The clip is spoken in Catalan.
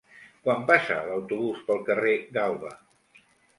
Quan passa l'autobús pel carrer Galba?